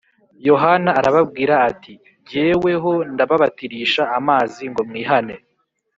Yohana arababwira ati ‘‘Jyeweho ndababatirisha amazi ngo mwihane